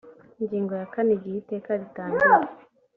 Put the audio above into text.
ingingo ya kane igihe iteka ritangira